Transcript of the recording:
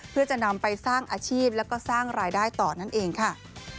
เพื่อจะนำไปสร้างอาชีพแล้วก็สร้างรายได้ต่อนั่นเองค่ะ